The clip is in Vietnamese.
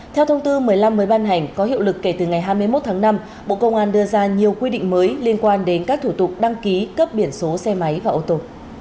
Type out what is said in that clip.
theo thông tư một mươi năm mới ban hành có hiệu lực kể từ ngày hai mươi một tháng năm bộ công an đưa ra nhiều quy định mới liên quan đến các thủ tục đăng ký cấp biển số xe máy và ô tô